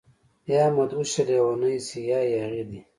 يا مدهوشه، لیونۍ شي يا ياغي دي